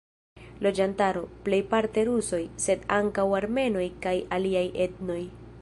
Loĝantaro: plejparte rusoj, sed ankaŭ armenoj kaj aliaj etnoj.